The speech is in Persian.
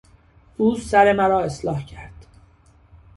او سر مرا اصلاح کرد.